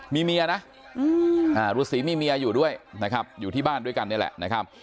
มีเมียนะฤษีมีเมียอยู่ด้วยนะครับอยู่ที่บ้านด้วยกันนี่แหละนะครับ